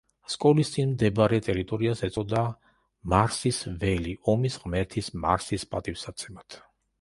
სკოლის წინ მდებარე ტერიტორიას ეწოდა მარსის ველი ომის ღმერთის მარსის პატივსაცემად.